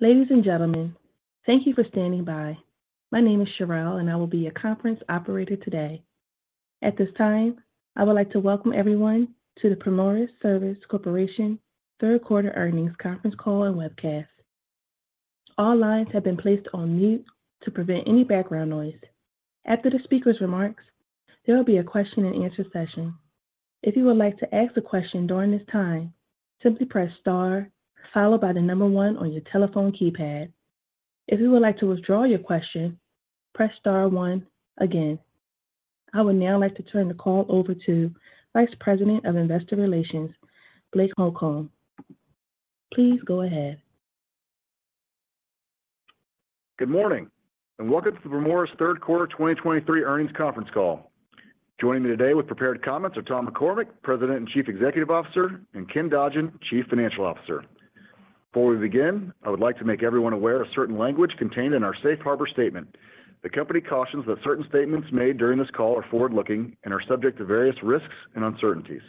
Ladies and gentlemen, thank you for standing by. My name is Cheryl, and I will be your conference operator today. At this time, I would like to welcome everyone to the Primoris Services Corporation third quarter earnings conference call and webcast. All lines have been placed on mute to prevent any background noise. After the speaker's remarks, there will be a question-and-answer session. If you would like to ask a question during this time, simply press star, followed by the number one on your telephone keypad. If you would like to withdraw your question, press star one again. I would now like to turn the call over to Vice President of Investor Relations, Blake Holcomb. Please go ahead. Good morning, and welcome to Primoris' third quarter 2023 earnings conference call. Joining me today with prepared comments are Tom McCormick, President and Chief Executive Officer, and Ken Dodgen, Chief Financial Officer. Before we begin, I would like to make everyone aware of certain language contained in our safe harbor statement. The company cautions that certain statements made during this call are forward-looking and are subject to various risks and uncertainties.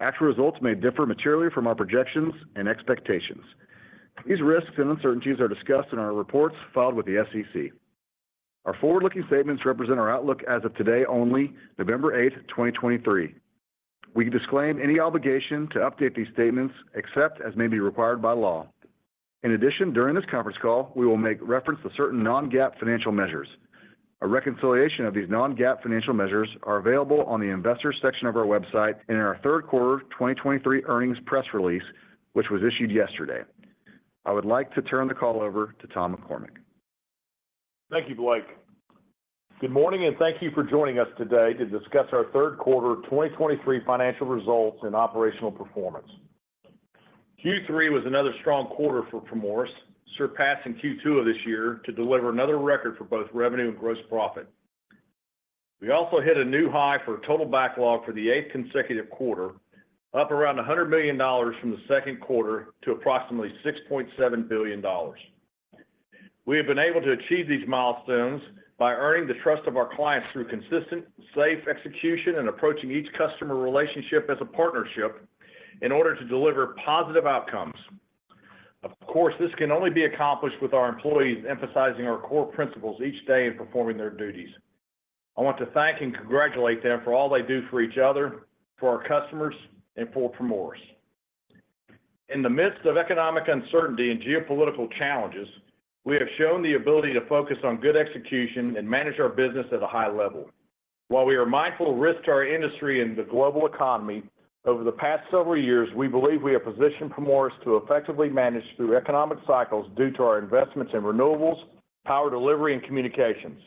Actual results may differ materially from our projections and expectations. These risks and uncertainties are discussed in our reports filed with the SEC. Our forward-looking statements represent our outlook as of today, only, November 8, 2023. We disclaim any obligation to update these statements except as may be required by law. In addition, during this conference call, we will make reference to certain non-GAAP financial measures. A reconciliation of these non-GAAP financial measures are available on the Investors section of our website and in our third quarter of 2023 earnings press release, which was issued yesterday. I would like to turn the call over to Tom McCormick. Thank you, Blake. Good morning, and thank you for joining us today to discuss our third quarter 2023 financial results and operational performance. Q3 was another strong quarter for Primoris, surpassing Q2 of this year to deliver another record for both revenue and gross profit. We also hit a new high for total backlog for the eighth consecutive quarter, up around $100 million from the second quarter to approximately $6.7 billion. We have been able to achieve these milestones by earning the trust of our clients through consistent, safe execution and approaching each customer relationship as a partnership in order to deliver positive outcomes. Of course, this can only be accomplished with our employees emphasizing our core principles each day in performing their duties. I want to thank and congratulate them for all they do for each other, for our customers, and for Primoris. In the midst of economic uncertainty and geopolitical challenges, we have shown the ability to focus on good execution and manage our business at a high level. While we are mindful of risk to our industry and the global economy, over the past several years, we believe we have positioned Primoris to effectively manage through economic cycles due to our investments in renewables, power delivery, and communications.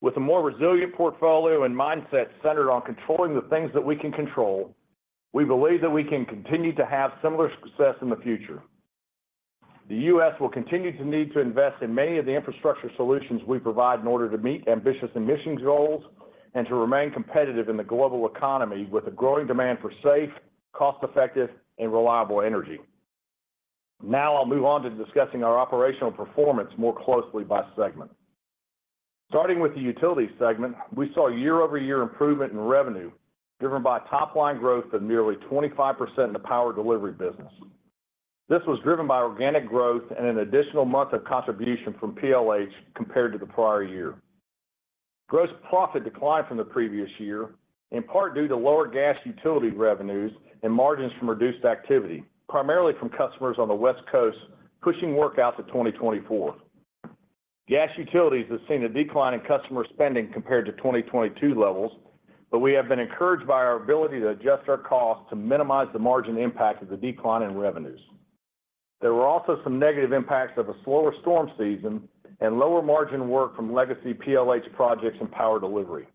With a more resilient portfolio and mindset centered on controlling the things that we can control, we believe that we can continue to have similar success in the future. The U.S. will continue to need to invest in many of the infrastructure solutions we provide in order to meet ambitious emissions goals and to remain competitive in the global economy with a growing demand for safe, cost-effective, and reliable energy. Now, I'll move on to discussing our operational performance more closely by segment. Starting with the utility segment, we saw year-over-year improvement in revenue, driven by top-line growth of nearly 25% in the power delivery business. This was driven by organic growth and an additional month of contribution from PLH compared to the prior year. Gross profit declined from the previous year, in part due to lower gas utility revenues and margins from reduced activity, primarily from customers on the West Coast, pushing work out to 2024. Gas utilities has seen a decline in customer spending compared to 2022 levels, but we have been encouraged by our ability to adjust our costs to minimize the margin impact of the decline in revenues. There were also some negative impacts of a slower storm season and lower margin work from legacy PLH projects and power delivery.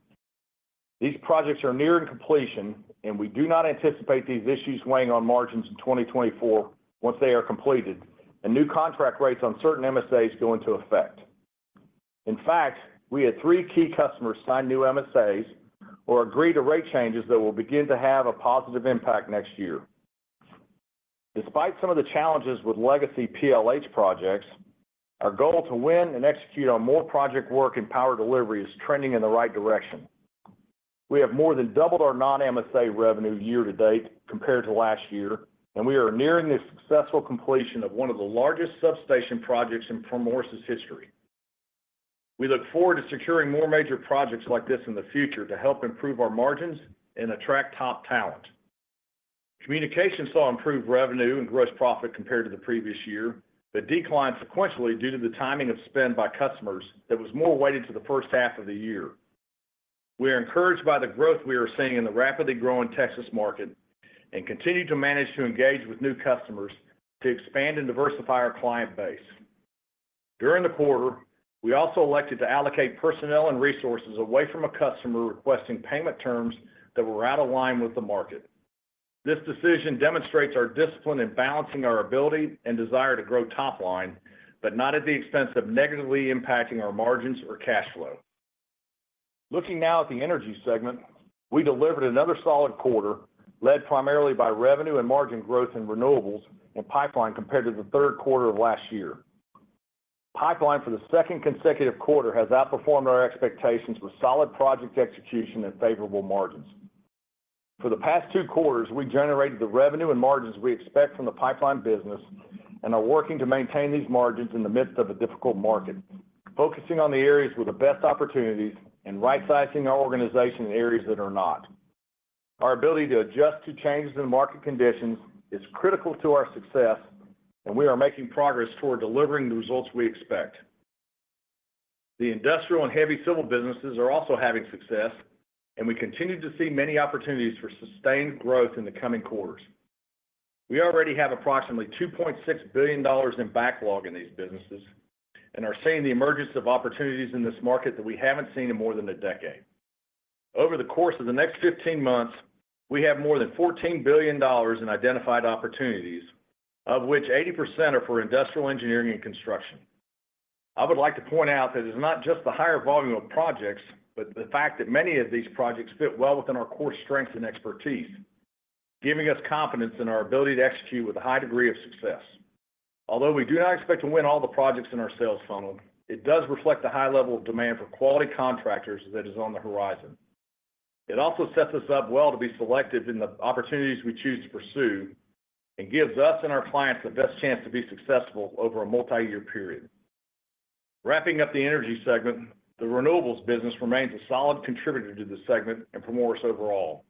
These projects are nearing completion, and we do not anticipate these issues weighing on margins in 2024 once they are completed and new contract rates on certain MSAs go into effect. In fact, we had three key customers sign new MSAs or agree to rate changes that will begin to have a positive impact next year. Despite some of the challenges with legacy PLH projects, our goal to win and execute on more project work and power delivery is trending in the right direction. We have more than doubled our non-MSA revenue year to date compared to last year, and we are nearing the successful completion of one of the largest substation projects in Primoris' history. We look forward to securing more major projects like this in the future to help improve our margins and attract top talent. Communication saw improved revenue and gross profit compared to the previous year, but declined sequentially due to the timing of spend by customers that was more weighted to the first half of the year. We are encouraged by the growth we are seeing in the rapidly growing Texas market and continue to manage to engage with new customers to expand and diversify our client base. During the quarter, we also elected to allocate personnel and resources away from a customer requesting payment terms that were out of line with the market. This decision demonstrates our discipline in balancing our ability and desire to grow top line, but not at the expense of negatively impacting our margins or cash flow. Looking now at the energy segment, we delivered another solid quarter, led primarily by revenue and margin growth in renewables and pipeline compared to the third quarter of last year. Pipeline, for the second consecutive quarter, has outperformed our expectations with solid project execution and favorable margins. For the past two quarters, we generated the revenue and margins we expect from the pipeline business and are working to maintain these margins in the midst of a difficult market, focusing on the areas with the best opportunities and right-sizing our organization in areas that are not. Our ability to adjust to changes in market conditions is critical to our success, and we are making progress toward delivering the results we expect. The industrial and heavy civil businesses are also having success, and we continue to see many opportunities for sustained growth in the coming quarters. We already have approximately $2.6 billion in backlog in these businesses and are seeing the emergence of opportunities in this market that we haven't seen in more than a decade. Over the course of the next 15 months, we have more than $14 billion in identified opportunities, of which 80% are for industrial engineering and construction. I would like to point out that it's not just the higher volume of projects, but the fact that many of these projects fit well within our core strengths and expertise, giving us confidence in our ability to execute with a high degree of success. Although we do not expect to win all the projects in our sales funnel, it does reflect the high level of demand for quality contractors that is on the horizon. It also sets us up well to be selective in the opportunities we choose to pursue and gives us and our clients the best chance to be successful over a multi-year period. Wrapping up the energy segment, the renewables business remains a solid contributor to the segment and for Primoris overall.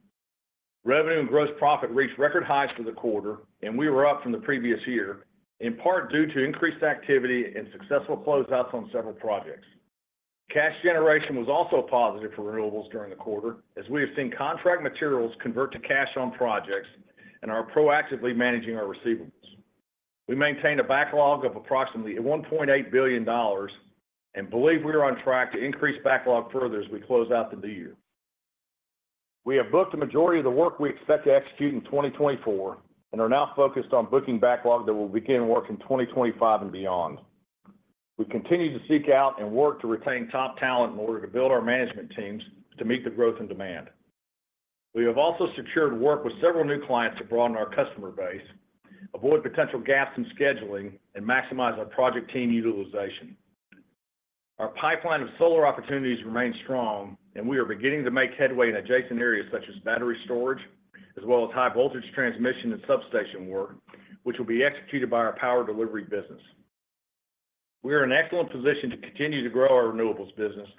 Revenue and gross profit reached record highs for the quarter, and we were up from the previous year, in part due to increased activity and successful closeouts on several projects. Cash generation was also positive for renewables during the quarter, as we have seen contract materials convert to cash on projects and are proactively managing our receivables. We maintained a backlog of approximately $1.8 billion and believe we are on track to increase backlog further as we close out the new year. We have booked the majority of the work we expect to execute in 2024 and are now focused on booking backlog that will begin work in 2025 and beyond. We continue to seek out and work to retain top talent in order to build our management teams to meet the growth and demand. We have also secured work with several new clients to broaden our customer base, avoid potential gaps in scheduling, and maximize our project team utilization. Our pipeline of solar opportunities remains strong, and we are beginning to make headway in adjacent areas such as battery storage, as well as high voltage transmission and substation work, which will be executed by our power delivery business. We are in excellent position to continue to grow our renewables business,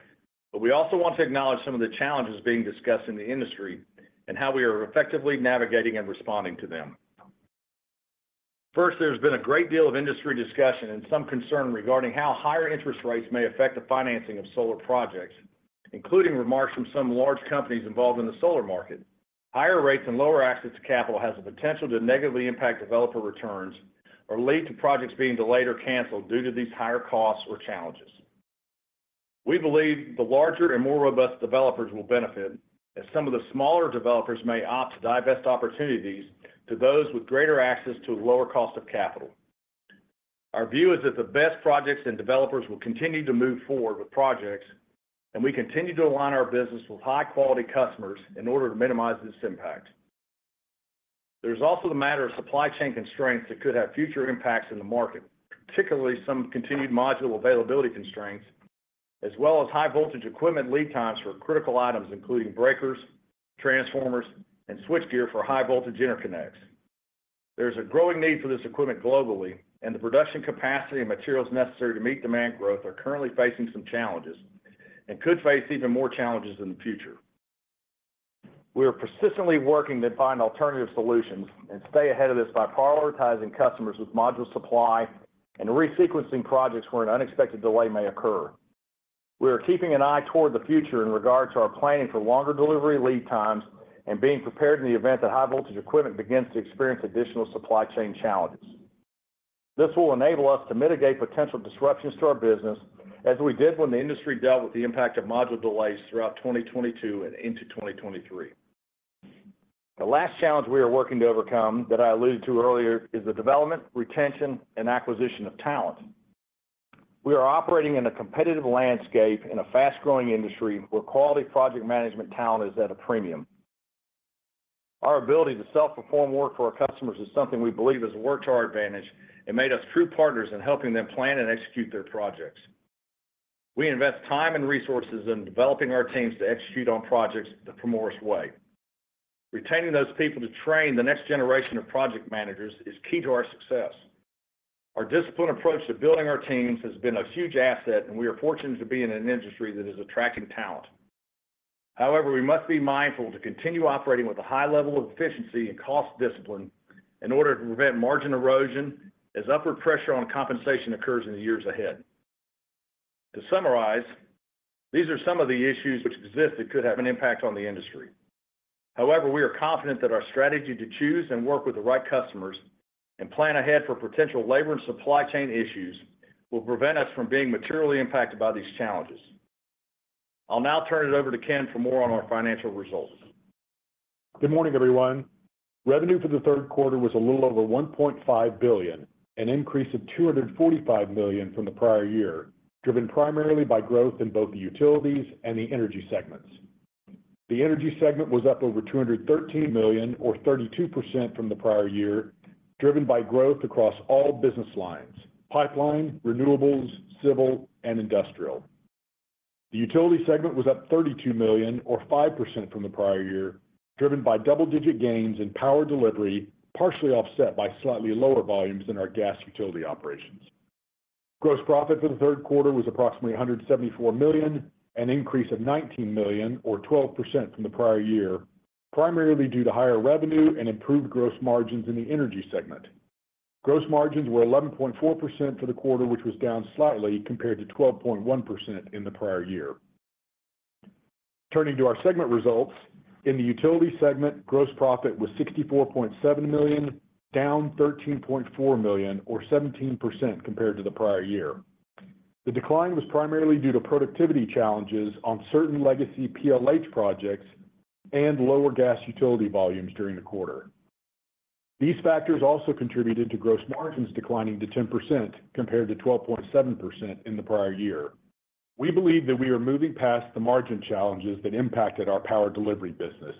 but we also want to acknowledge some of the challenges being discussed in the industry and how we are effectively navigating and responding to them. First, there's been a great deal of industry discussion and some concern regarding how higher interest rates may affect the financing of solar projects, including remarks from some large companies involved in the solar market. Higher rates and lower access to capital has the potential to negatively impact developer returns or lead to projects being delayed or canceled due to these higher costs or challenges. We believe the larger and more robust developers will benefit, as some of the smaller developers may opt to divest opportunities to those with greater access to a lower cost of capital. Our view is that the best projects and developers will continue to move forward with projects, and we continue to align our business with high-quality customers in order to minimize this impact. There's also the matter of supply chain constraints that could have future impacts in the market, particularly some continued module availability constraints, as well as high voltage equipment lead times for critical items, including breakers, transformers, and switchgear for high voltage interconnects. There's a growing need for this equipment globally, and the production capacity and materials necessary to meet demand growth are currently facing some challenges and could face even more challenges in the future. We are persistently working to find alternative solutions and stay ahead of this by prioritizing customers with module supply and resequencing projects where an unexpected delay may occur. We are keeping an eye toward the future in regard to our planning for longer delivery lead times and being prepared in the event that high voltage equipment begins to experience additional supply chain challenges. This will enable us to mitigate potential disruptions to our business, as we did when the industry dealt with the impact of module delays throughout 2022 and into 2023. The last challenge we are working to overcome, that I alluded to earlier, is the development, retention, and acquisition of talent. We are operating in a competitive landscape in a fast-growing industry where quality project management talent is at a premium. Our ability to self-perform work for our customers is something we believe has worked to our advantage and made us true partners in helping them plan and execute their projects. We invest time and resources in developing our teams to execute on projects the Primoris way. Retaining those people to train the next generation of project managers is key to our success. Our disciplined approach to building our teams has been a huge asset, and we are fortunate to be in an industry that is attracting talent. However, we must be mindful to continue operating with a high level of efficiency and cost discipline in order to prevent margin erosion as upward pressure on compensation occurs in the years ahead. To summarize, these are some of the issues which exist that could have an impact on the industry. However, we are confident that our strategy to choose and work with the right customers and plan ahead for potential labor and supply chain issues will prevent us from being materially impacted by these challenges. I'll now turn it over to Ken for more on our financial results. Good morning, everyone. Revenue for the third quarter was a little over $1.5 billion, an increase of $245 million from the prior year, driven primarily by growth in both the utilities and the energy segments. The energy segment was up over $213 million, or 32% from the prior year, driven by growth across all business lines: pipeline, renewables, civil, and industrial…. The utility segment was up $32 million, or 5% from the prior year, driven by double-digit gains in power delivery, partially offset by slightly lower volumes in our gas utility operations. Gross profit for the third quarter was approximately $174 million, an increase of $19 million or 12% from the prior year, primarily due to higher revenue and improved gross margins in the energy segment. Gross margins were 11.4% for the quarter, which was down slightly compared to 12.1% in the prior year. Turning to our segment results, in the utility segment, gross profit was $64.7 million, down $13.4 million or 17% compared to the prior year. The decline was primarily due to productivity challenges on certain legacy PLH projects and lower gas utility volumes during the quarter. These factors also contributed to gross margins declining to 10%, compared to 12.7% in the prior year. We believe that we are moving past the margin challenges that impacted our power delivery business.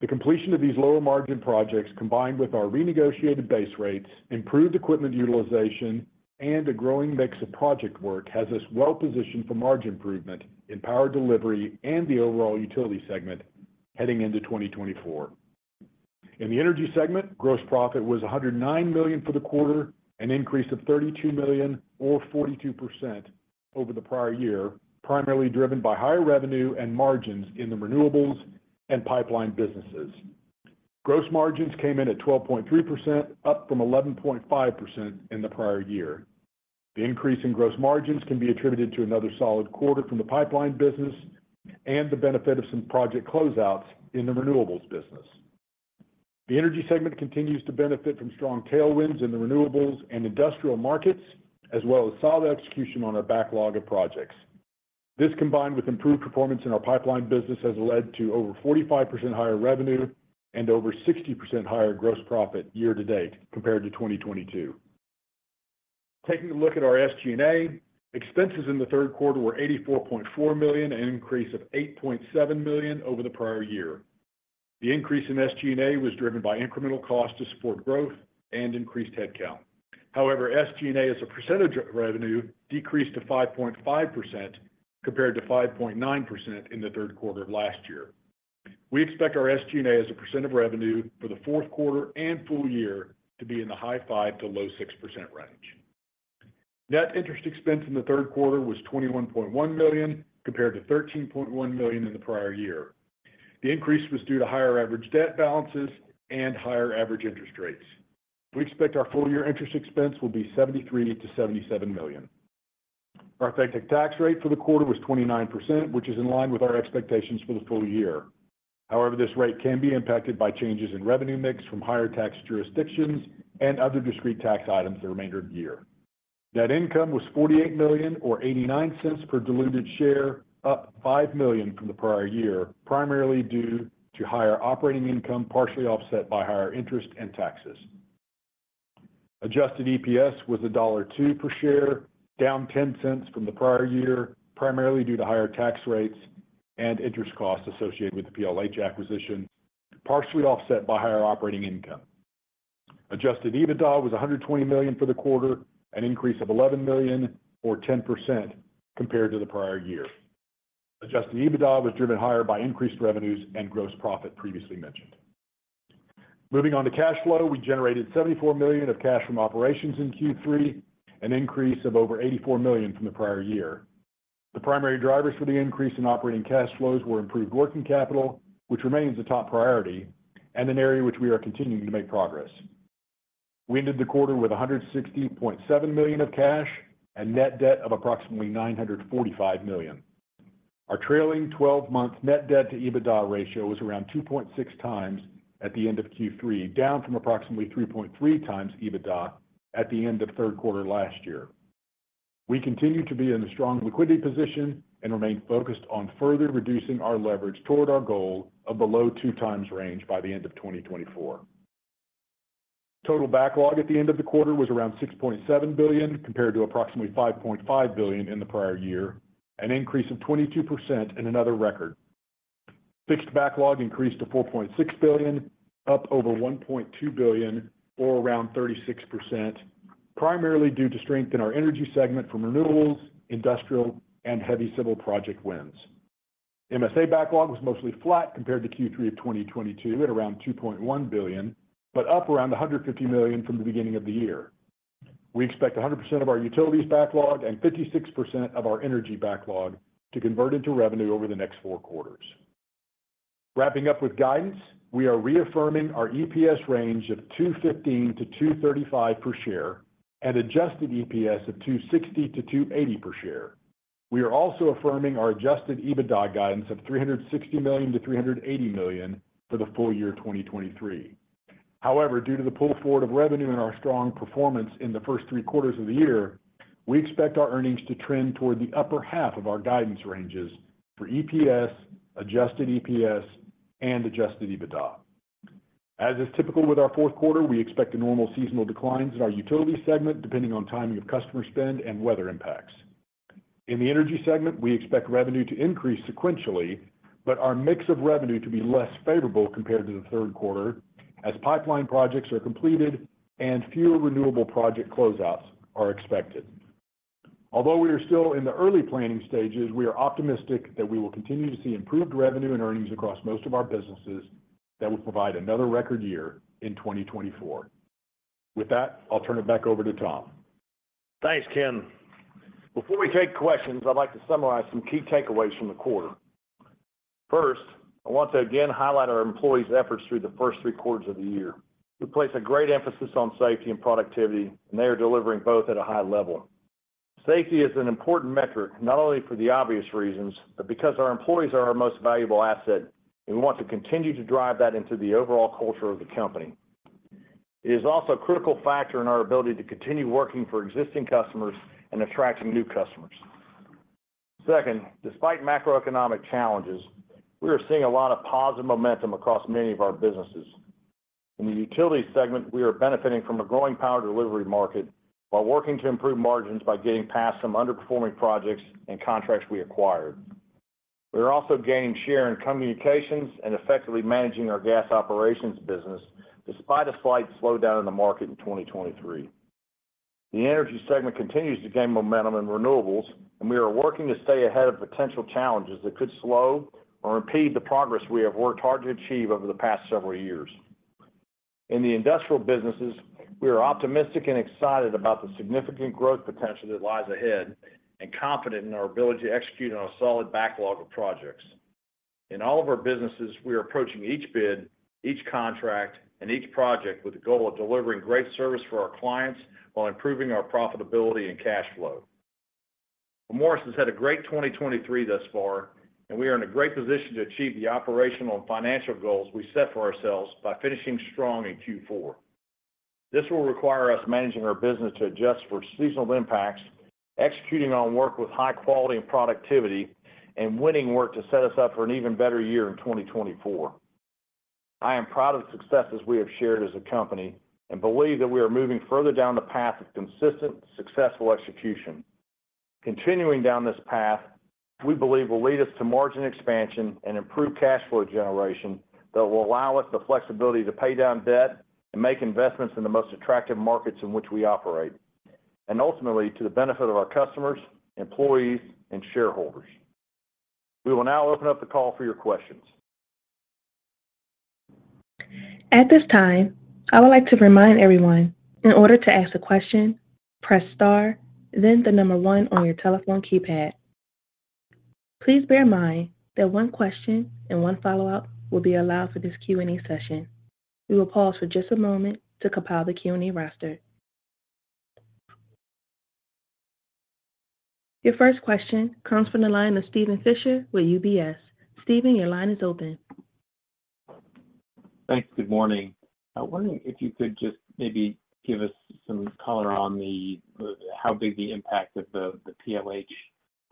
The completion of these lower margin projects, combined with our renegotiated base rates, improved equipment utilization, and a growing mix of project work, has us well positioned for margin improvement in power delivery and the overall utility segment heading into 2024. In the energy segment, gross profit was $109 million for the quarter, an increase of $32 million or 42% over the prior year, primarily driven by higher revenue and margins in the renewables and pipeline businesses. Gross margins came in at 12.3%, up from 11.5% in the prior year. The increase in gross margins can be attributed to another solid quarter from the pipeline business and the benefit of some project closeouts in the renewables business. The energy segment continues to benefit from strong tailwinds in the renewables and industrial markets, as well as solid execution on our backlog of projects. This, combined with improved performance in our pipeline business, has led to over 45% higher revenue and over 60% higher gross profit year to date compared to 2022. Taking a look at our SG&A, expenses in the third quarter were $84.4 million, an increase of $8.7 million over the prior year. The increase in SG&A was driven by incremental cost to support growth and increased headcount. However, SG&A, as a percentage of revenue, decreased to 5.5%, compared to 5.9% in the third quarter of last year. We expect our SG&A as a percent of revenue for the fourth quarter and full year to be in the high 5%-low 6% range. Net interest expense in the third quarter was $21.1 million, compared to $13.1 million in the prior year. The increase was due to higher average debt balances and higher average interest rates. We expect our full year interest expense will be $73 million-$77 million. Our effective tax rate for the quarter was 29%, which is in line with our expectations for the full year. However, this rate can be impacted by changes in revenue mix from higher tax jurisdictions and other discrete tax items the remainder of the year. Net income was $48 million or $0.89 per diluted share, up $5 million from the prior year, primarily due to higher operating income, partially offset by higher interest and taxes. Adjusted EPS was $1.02 per share, down $0.10 from the prior year, primarily due to higher tax rates and interest costs associated with the PLH acquisition, partially offset by higher operating income. Adjusted EBITDA was $120 million for the quarter, an increase of $11 million or 10% compared to the prior year. Adjusted EBITDA was driven higher by increased revenues and gross profit previously mentioned. Moving on to cash flow. We generated $74 million of cash from operations in Q3, an increase of over $84 million from the prior year. The primary drivers for the increase in operating cash flows were improved working capital, which remains a top priority and an area which we are continuing to make progress. We ended the quarter with $160.7 million of cash and net debt of approximately $945 million. Our trailing twelve-month net debt to EBITDA ratio was around 2.6x at the end of Q3, down from approximately 3.3x EBITDA at the end of third quarter last year. We continue to be in a strong liquidity position and remain focused on further reducing our leverage toward our goal of below 2x range by the end of 2024. Total backlog at the end of the quarter was around $6.7 billion, compared to approximately $5.5 billion in the prior year, an increase of 22% and another record. Fixed backlog increased to $4.6 billion, up over $1.2 billion or around 36%, primarily due to strength in our energy segment from renewables, industrial, and heavy civil project wins. MSA backlog was mostly flat compared to Q3 of 2022 at around $2.1 billion, but up around $150 million from the beginning of the year. We expect 100% of our utilities backlog and 56% of our energy backlog to convert into revenue over the next four quarters. Wrapping up with guidance, we are reaffirming our EPS range of $2.15-$2.35 per share and adjusted EPS of $2.60-$2.80 per share. We are also affirming our adjusted EBITDA guidance of $360 million-$380 million for the full year 2023. However, due to the pull forward of revenue and our strong performance in the first three quarters of the year, we expect our earnings to trend toward the upper half of our guidance ranges for EPS, adjusted EPS, and adjusted EBITDA. As is typical with our fourth quarter, we expect a normal seasonal declines in our utility segment, depending on timing of customer spend and weather impacts. In the energy segment, we expect revenue to increase sequentially.... but our mix of revenue to be less favorable compared to the third quarter, as pipeline projects are completed and fewer renewable project closeouts are expected. Although we are still in the early planning stages, we are optimistic that we will continue to see improved revenue and earnings across most of our businesses that will provide another record year in 2024. With that, I'll turn it back over to Tom. Thanks, Ken. Before we take questions, I'd like to summarize some key takeaways from the quarter. First, I want to again highlight our employees' efforts through the first three quarters of the year. We place a great emphasis on safety and productivity, and they are delivering both at a high level. Safety is an important metric, not only for the obvious reasons, but because our employees are our most valuable asset, and we want to continue to drive that into the overall culture of the company. It is also a critical factor in our ability to continue working for existing customers and attracting new customers. Second, despite macroeconomic challenges, we are seeing a lot of positive momentum across many of our businesses. In the utility segment, we are benefiting from a growing power delivery market while working to improve margins by getting past some underperforming projects and contracts we acquired. We are also gaining share in communications and effectively managing our gas operations business despite a slight slowdown in the market in 2023. The energy segment continues to gain momentum in renewables, and we are working to stay ahead of potential challenges that could slow or impede the progress we have worked hard to achieve over the past several years. In the industrial businesses, we are optimistic and excited about the significant growth potential that lies ahead and confident in our ability to execute on a solid backlog of projects. In all of our businesses, we are approaching each bid, each contract, and each project with the goal of delivering great service for our clients while improving our profitability and cash flow. Primoris has had a great 2023 thus far, and we are in a great position to achieve the operational and financial goals we set for ourselves by finishing strong in Q4. This will require us managing our business to adjust for seasonal impacts, executing on work with high quality and productivity, and winning work to set us up for an even better year in 2024. I am proud of the successes we have shared as a company and believe that we are moving further down the path of consistent, successful execution. Continuing down this path, we believe, will lead us to margin expansion and improved cash flow generation that will allow us the flexibility to pay down debt and make investments in the most attractive markets in which we operate, and ultimately, to the benefit of our customers, employees, and shareholders. We will now open up the call for your questions. At this time, I would like to remind everyone, in order to ask a question, press star, then the number one on your telephone keypad. Please bear in mind that one question and one follow-up will be allowed for this Q&A session. We will pause for just a moment to compile the Q&A roster. Your first question comes from the line of Steven Fisher with UBS. Stephen, your line is open. Thanks. Good morning. I'm wondering if you could just maybe give us some color on the how big the impact of the PLH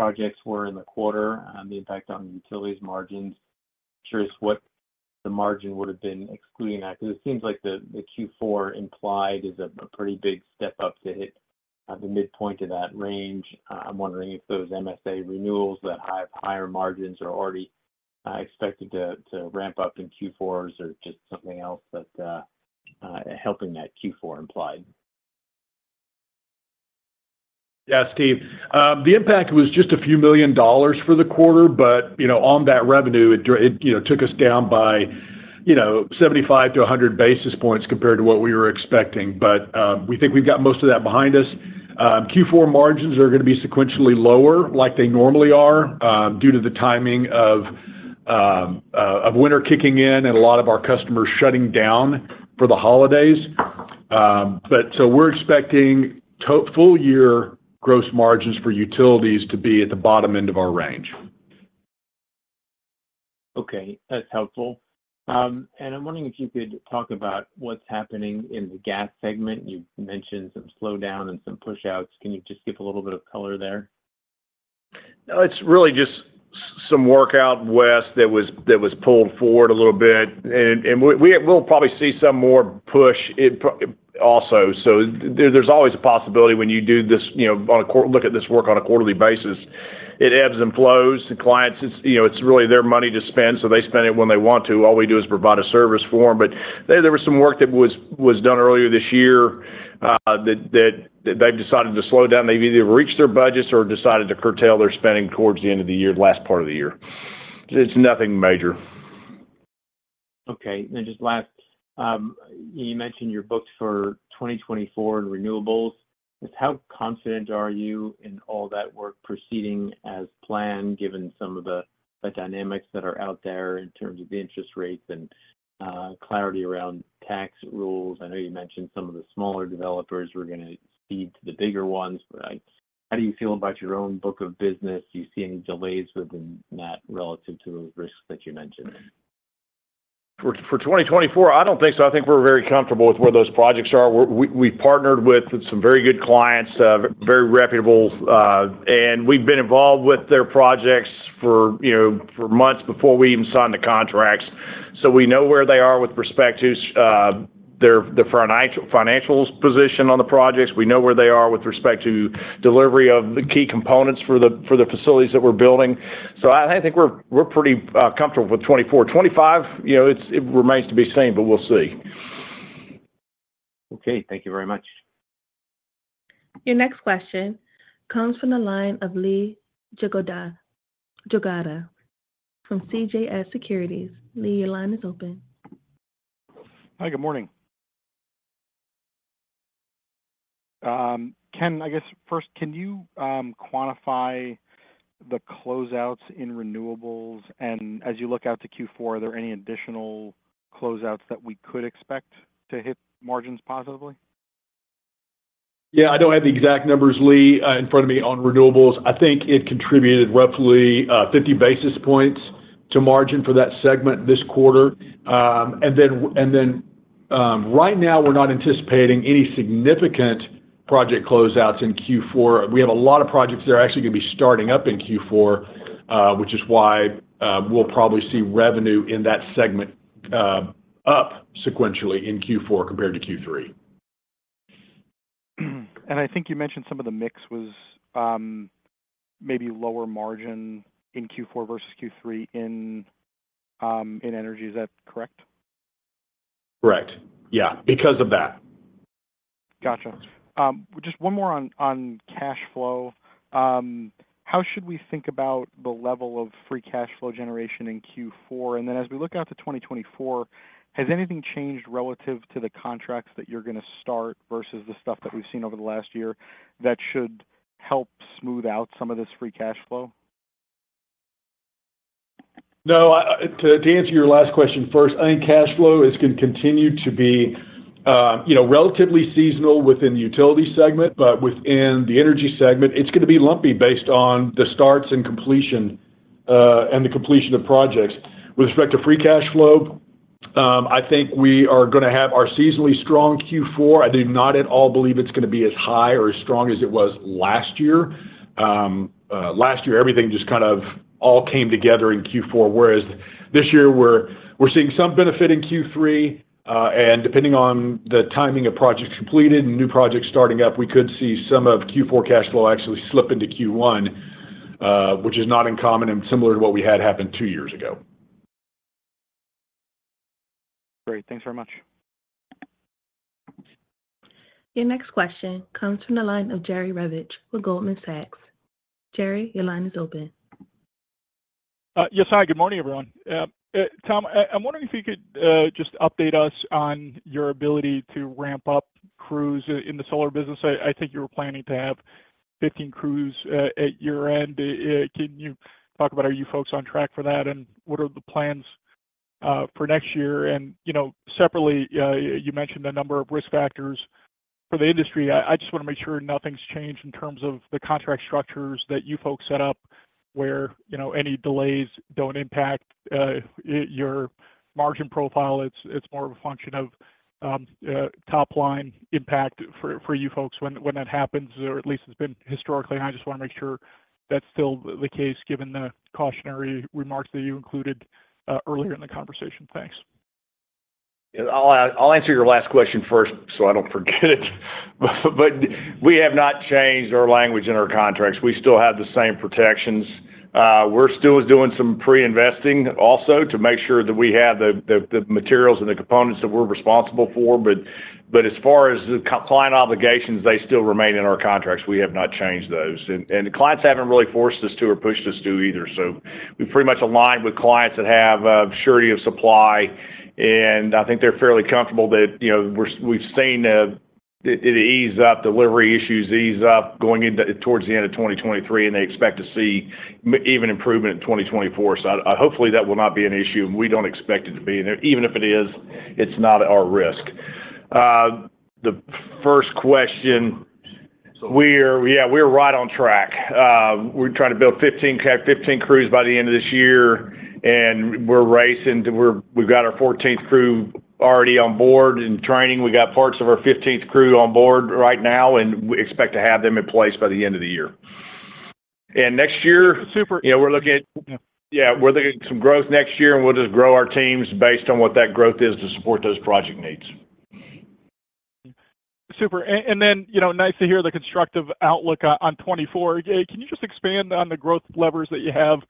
projects were in the quarter and the impact on the utilities margins. I'm curious what the margin would have been excluding that, because it seems like the Q4 implied is a pretty big step up to hit the midpoint of that range. I'm wondering if those MSA renewals, that higher margins are already expected to ramp up in Q4, or is there just something else that's helping that Q4 implied? Yes, Steve. The impact was just a few million dollars for the quarter, but, you know, on that revenue, it, you know, took us down by, you know, 75-100 basis points compared to what we were expecting. We think we've got most of that behind us. Q4 margins are gonna be sequentially lower, like they normally are, due to the timing of winter kicking in and a lot of our customers shutting down for the holidays. So we're expecting full year gross margins for utilities to be at the bottom end of our range. Okay, that's helpful. I'm wondering if you could talk about what's happening in the gas segment. You've mentioned some slowdown and some pushouts. Can you just give a little bit of color there? It's really just some work out west that was pulled forward a little bit, and we'll probably see some more pushed also. So there's always a possibility when you do this, you know, look at this work on a quarterly basis. It ebbs and flows. The clients, it's, you know, it's really their money to spend, so they spend it when they want to. All we do is provide a service for them. But there was some work that was done earlier this year that they've decided to slow down. They've either reached their budgets or decided to curtail their spending towards the end of the year, last part of the year. It's nothing major. Okay. Then just last, you mentioned your books for 2024 in renewables. Just how confident are you in all that work proceeding as planned, given some of the dynamics that are out there in terms of interest rates and clarity around tax rules? I know you mentioned some of the smaller developers were gonna cede to the bigger ones, but, like, how do you feel about your own book of business? Do you see any delays within that relative to the risks that you mentioned? For 2024, I don't think so. I think we're very comfortable with where those projects are. We're, we've partnered with some very good clients, very reputable, and we've been involved with their projects for, you know, for months before we even signed the contracts. So we know where they are with respect to their financials position on the projects. We know where they are with respect to delivery of the key components for the facilities that we're building. So I think we're pretty comfortable with 2024. 2025, you know, it remains to be seen, but we'll see. Okay. Thank you very much. Your next question comes from the line of Lee Jagoda from CJS Securities. Lee, your line is open. Hi, good morning. Ken, I guess first, can you quantify the closeouts in renewables? And as you look out to Q4, are there any additional closeouts that we could expect to hit margins positively? Yeah, I don't have the exact numbers, Lee, in front of me on renewables. I think it contributed roughly 50 basis points to margin for that segment this quarter. And then, right now, we're not anticipating any significant project closeouts in Q4. We have a lot of projects that are actually going to be starting up in Q4, which is why we'll probably see revenue in that segment up sequentially in Q4 compared to Q3. I think you mentioned some of the mix was maybe lower margin in Q4 versus Q3 in energy. Is that correct? Correct. Yeah, because of that. Gotcha. Just one more on cash flow. How should we think about the level of free cash flow generation in Q4? And then as we look out to 2024, has anything changed relative to the contracts that you're going to start versus the stuff that we've seen over the last year that should help smooth out some of this free cash flow? No, to answer your last question first, I think cash flow is going to continue to be, you know, relatively seasonal within the utility segment, but within the energy segment, it's going to be lumpy based on the starts and completion, and the completion of projects. With respect to free cash flow, I think we are going to have our seasonally strong Q4. I do not at all believe it's going to be as high or as strong as it was last year. Last year, everything just kind of all came together in Q4, whereas this year we're seeing some benefit in Q3, and depending on the timing of projects completed and new projects starting up, we could see some of Q4 cash flow actually slip into Q1, which is not uncommon and similar to what we had happened two years ago. Great. Thanks very much. Your next question comes from the line of Jerry Revich with Goldman Sachs. Jerry, your line is open. Yes. Hi, good morning, everyone. Tom, I'm wondering if you could just update us on your ability to ramp up crews in the solar business. I think you were planning to have 15 crews at year-end. Can you talk about are you folks on track for that, and what are the plans for next year? And, you know, separately, you mentioned a number of risk factors for the industry. I just want to make sure nothing's changed in terms of the contract structures that you folks set up, where, you know, any delays don't impact your margin profile. It's more of a function of top-line impact for you folks when that happens, or at least it's been historically. I just want to make sure that's still the case, given the cautionary remarks that you included earlier in the conversation. Thanks. I'll answer your last question first, so I don't forget it. But we have not changed our language in our contracts. We still have the same protections. We're still doing some pre-investing also to make sure that we have the materials and the components that we're responsible for. But as far as the client obligations, they still remain in our contracts. We have not changed those, and the clients haven't really forced us to or pushed us to either. So we've pretty much aligned with clients that have surety of supply, and I think they're fairly comfortable that, you know, we've seen it ease up, delivery issues ease up towards the end of 2023, and they expect to see even improvement in 2024. So, I hopefully that will not be an issue, and we don't expect it to be. And even if it is, it's not at our risk. The first question, we're right on track. We're trying to build 15 crews by the end of this year, and we're racing to work. We've got our 14th crew already on board and training. We got parts of our 15th crew on board right now, and we expect to have them in place by the end of the year. And next year- Super. You know, yeah, we're looking at some growth next year, and we'll just grow our teams based on what that growth is to support those project needs. Super. And then, you know, nice to hear the constructive outlook on 2024. Can you just expand on the growth levers that you have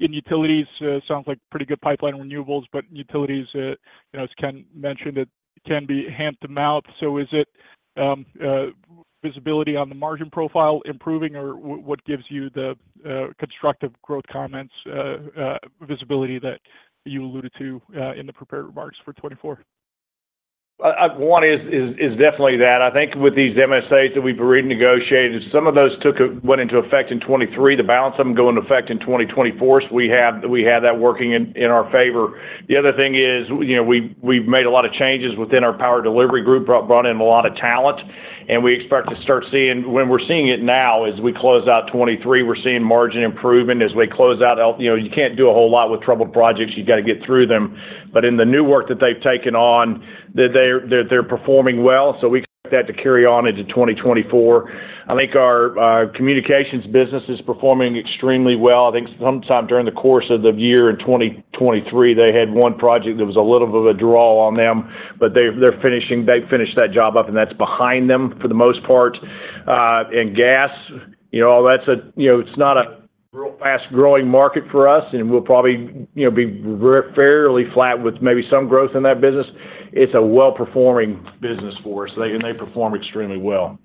in utilities? Sounds like pretty good pipeline renewables, but utilities, you know, as Ken mentioned, it can be hand to mouth. So is it visibility on the margin profile improving, or what gives you the constructive growth comments, visibility that you alluded to in the prepared remarks for 2024? One is definitely that. I think with these MSAs that we've renegotiated, some of those went into effect in 2023. The balance of them go into effect in 2024. So we have that working in our favor. The other thing is, you know, we've made a lot of changes within our power delivery group, brought in a lot of talent, and we expect to start seeing it now, as we close out 2023, we're seeing margin improvement. As we close out, you know, you can't do a whole lot with troubled projects. You've got to get through them. But in the new work that they've taken on, they're performing well, so we expect that to carry on into 2024. I think our communications business is performing extremely well. I think sometime during the course of the year in 2023, they had one project that was a little bit of a draw on them, but they're finishing. They finished that job up, and that's behind them for the most part. In gas, you know, all that's a, you know, it's not a real fast-growing market for us, and we'll probably, you know, be fairly flat with maybe some growth in that business. It's a well-performing business for us. They, and they perform extremely well.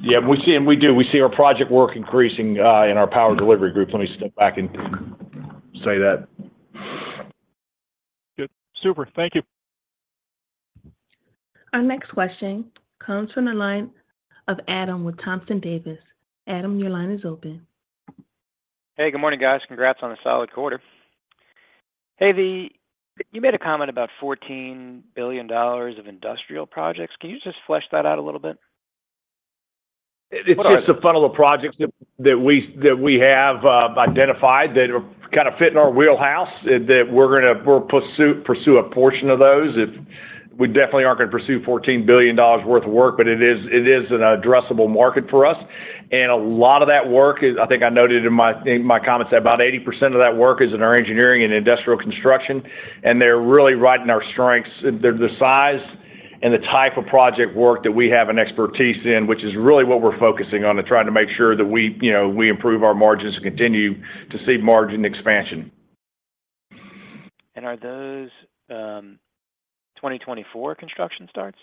Yeah, we see and we do, we see our project work increasing in our power delivery group. Let me step back and say that. Good. Super. Thank you. Our next question comes from the line of Adam with Thompson Davis. Adam, your line is open. Hey, good morning, guys. Congrats on a solid quarter. Hey, you made a comment about $14 billion of industrial projects. Can you just flesh that out a little bit? It's just a funnel of projects that we have identified that kind of fit in our wheelhouse, and that we're gonna pursue a portion of those. It we definitely aren't gonna pursue $14 billion worth of work, but it is an addressable market for us. A lot of that work is, I think I noted in my comments, that about 80% of that work is in our engineering and industrial construction, and they're really right in our strengths. They're the size and the type of project work that we have an expertise in, which is really what we're focusing on, to try to make sure that we, you know, we improve our margins and continue to see margin expansion. Are those 2024 construction starts?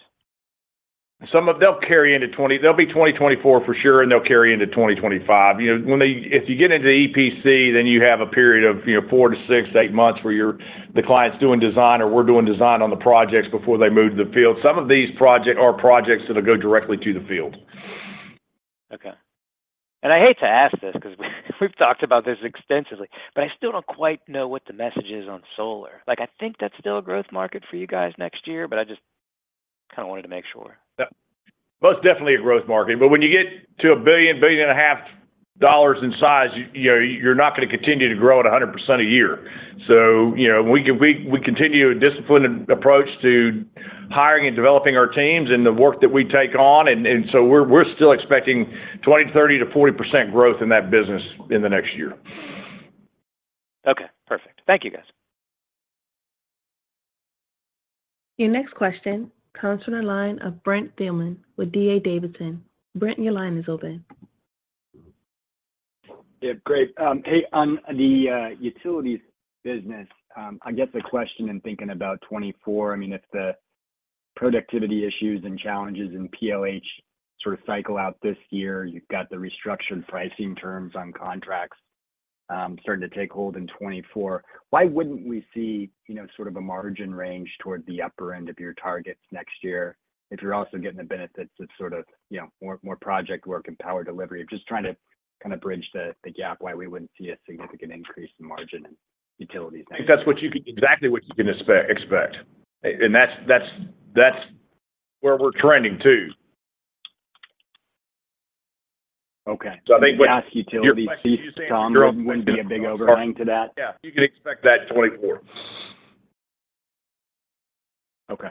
Some of them carry into 2024 for sure, and they'll carry into 2025. You know, when, if you get into EPC, then you have a period of, you know, 4-6-8 months, where the client's doing design, or we're doing design on the projects before they move to the field. Some of these projects are projects that'll go directly to the field. Okay. And I hate to ask this 'cause we've talked about this extensively, but I still don't quite know what the message is on solar. Like, I think that's still a growth market for you guys next year, but I just kind of wanted to make sure. Yeah. Well, it's definitely a growth market, but when you get to $1 billion-$1.5 billion in size, you know, you're not gonna continue to grow at 100% a year. So, you know, we continue a disciplined approach to hiring and developing our teams and the work that we take on, and so we're still expecting 20%-30% to 40% growth in that business in the next year. Okay, perfect. Thank you, guys. Your next question comes from the line of Brent Thielman with D.A. Davidson. Brent, your line is open. Yeah, great. Hey, on the utilities business, I guess the question in thinking about 2024, I mean, if the productivity issues and challenges in PLH sort of cycle out this year, you've got the restructured pricing terms on contracts starting to take hold in 2024. Why wouldn't we see, you know, sort of a margin range toward the upper end of your targets next year, if you're also getting the benefits of sort of, you know, more project work and power delivery? Just trying to kind of bridge the gap why we wouldn't see a significant increase in margin in utilities next- I think that's exactly what you can expect. And that's where we're trending, too. Okay. So I think with- Utilities, Tom, wouldn't be a big overhang to that? Yeah, you can expect that in 2024. Okay.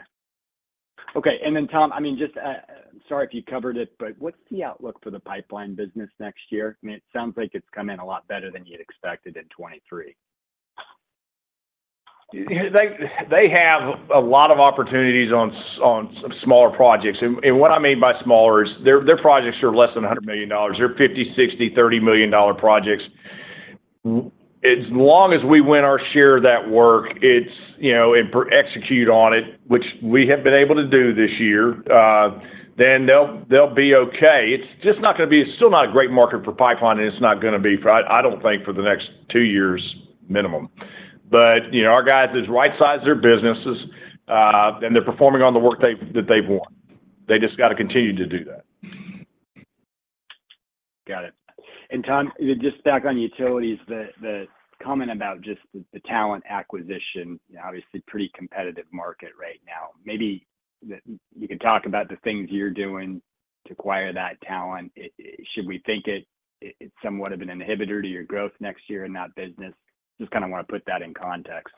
Okay, and then, Tom, I mean, just, sorry if you covered it, but what's the outlook for the pipeline business next year? I mean, it sounds like it's come in a lot better than you'd expected in 2023. They have a lot of opportunities on smaller projects. And what I mean by smaller is their projects are less than $100 million. They're $50 million, $60 million, $30 million projects. As long as we win our share of that work, it's, you know, and perform execute on it, which we have been able to do this year, then they'll be okay. It's just not gonna be. It's still not a great market for pipeline, and it's not gonna be, for, I don't think, for the next 2 years, minimum. But you know, our guys has right-sized their businesses, and they're performing on the work they've won. They just got to continue to do that. Got it. And Tom, just back on utilities, the comment about just the talent acquisition, obviously pretty competitive market right now. Maybe you can talk about the things you're doing to acquire that talent. Should we think it's somewhat of an inhibitor to your growth next year in that business? Just kind of want to put that in context.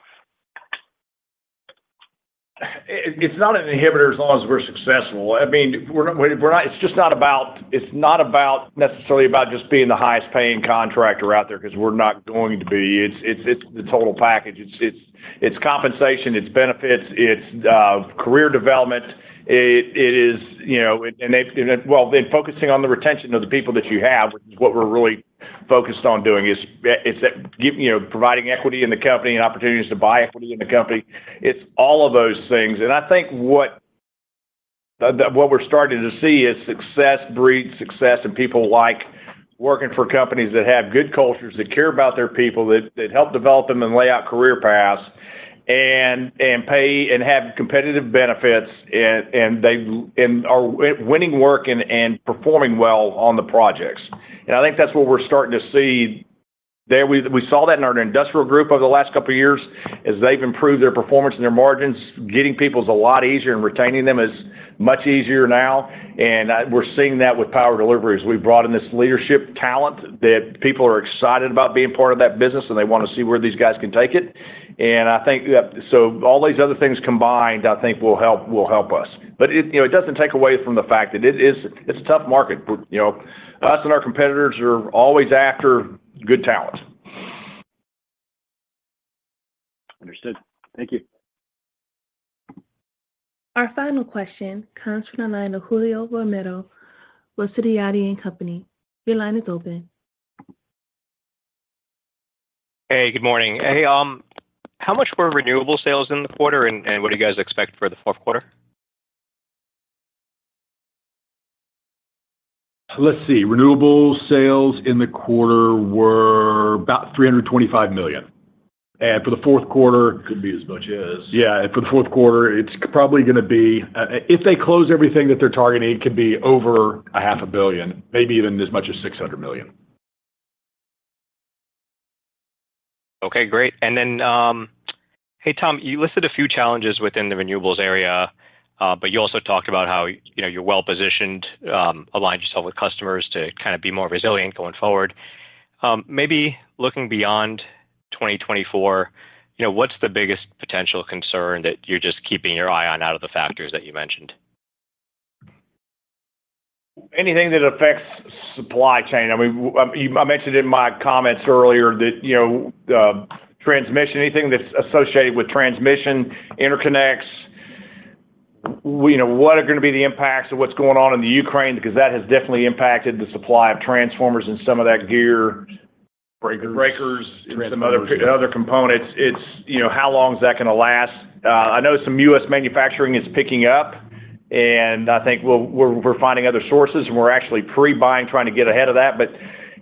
It's not an inhibitor as long as we're successful. I mean, we're not. It's just not about, necessarily about just being the highest paying contractor out there, 'cause we're not going to be. It's the total package: it's compensation, it's benefits, career development. It is, you know, and they've... Well, then focusing on the retention of the people that you have, which is what we're really focused on doing, is that, you know, providing equity in the company and opportunities to buy equity in the company. It's all of those things, and I think what we're starting to see is success breeds success, and people like working for companies that have good cultures, that care about their people, that help develop them and lay out career paths, and pay, and have competitive benefits, and they are winning work and performing well on the projects. I think that's what we're starting to see there. We saw that in our industrial group over the last couple of years. As they've improved their performance and their margins, getting people is a lot easier, and retaining them is much easier now, and we're seeing that with power delivery. We've brought in this leadership talent that people are excited about being part of that business, and they want to see where these guys can take it. I think that... So all these other things combined, I think will help, will help us. But it, you know, it doesn't take away from the fact that it is, it's a tough market. But, you know, us and our competitors are always after good talent.... Understood. Thank you. Our final question comes from the line of Julio Romero with Sidoti and Company. Your line is open. Hey, good morning. Hey, how much were renewable sales in the quarter, and what do you guys expect for the fourth quarter? Let's see. Renewable sales in the quarter were about $325 million. For the fourth quarter- Could be as much as- Yeah, for the fourth quarter, it's probably gonna be, if they close everything that they're targeting, it could be over $500 million, maybe even as much as $600 million. Okay, great. And then, hey, Tom, you listed a few challenges within the renewables area, but you also talked about how, you know, you're well-positioned, aligned yourself with customers to kind of be more resilient going forward. Maybe looking beyond 2024, you know, what's the biggest potential concern that you're just keeping your eye on out of the factors that you mentioned? Anything that affects supply chain. I mean, I mentioned in my comments earlier that, you know, transmission, anything that's associated with transmission, interconnects, you know, what are gonna be the impacts of what's going on in the Ukraine? Because that has definitely impacted the supply of transformers and some of that gear- Breakers... Breakers and some other components. It's, you know, how long is that gonna last? I know some U.S. manufacturing is picking up, and I think we're finding other sources, and we're actually pre-buying, trying to get ahead of that. But,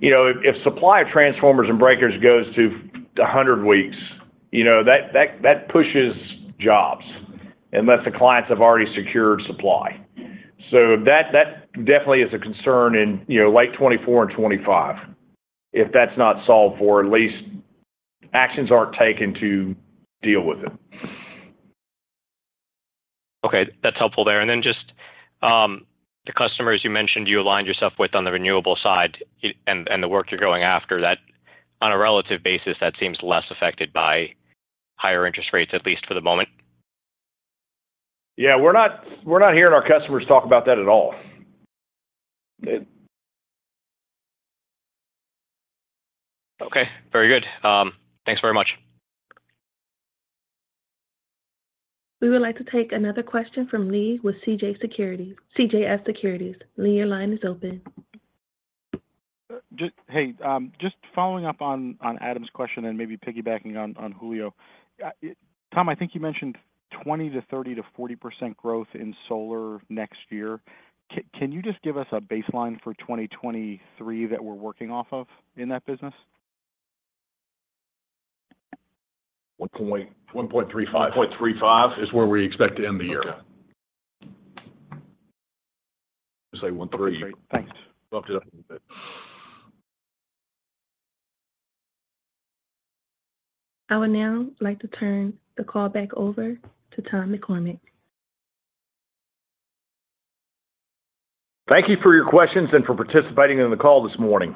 you know, if supply of transformers and breakers goes to 100 weeks, you know, that pushes jobs unless the clients have already secured supply. So that definitely is a concern in, you know, late 2024 and 2025, if that's not solved for at least actions are taken to deal with it. Okay, that's helpful there. And then just, the customers you mentioned you aligned yourself with on the renewable side and, and the work you're going after, that on a relative basis, that seems less affected by higher interest rates, at least for the moment? Yeah, we're not, we're not hearing our customers talk about that at all. It- Okay, very good. Thanks very much. We would like to take another question from Lee with CJS Securities. Lee, your line is open. Just-- Hey, just following up on Adam's question and maybe piggybacking on Julio. Tom, I think you mentioned 20% -30%-40% growth in solar next year. Can you just give us a baseline for 2023 that we're working off of in that business? One point- 1.35. 1.35 is where we expect to end the year. Okay. Say 1 3. Okay, great. Thanks. Welcome. I would now like to turn the call back over to Tom McCormick. Thank you for your questions and for participating in the call this morning.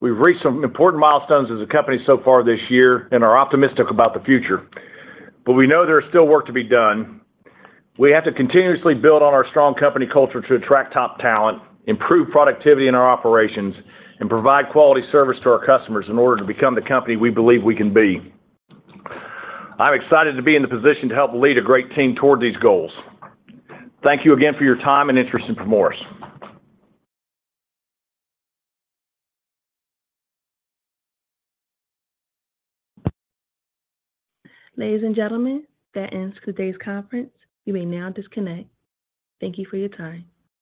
We've reached some important milestones as a company so far this year and are optimistic about the future, but we know there is still work to be done. We have to continuously build on our strong company culture to attract top talent, improve productivity in our operations, and provide quality service to our customers in order to become the company we believe we can be. I'm excited to be in the position to help lead a great team toward these goals. Thank you again for your time and interest in Primoris. Ladies and gentlemen, that ends today's conference. You may now disconnect. Thank you for your time.